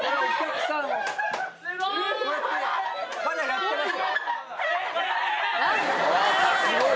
・え⁉・まだやってます？